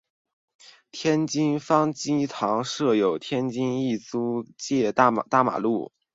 天津方济堂设在天津意租界大马路。